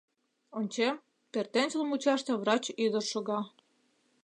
Ончем: пӧртӧнчыл мучаште врач ӱдыр шога.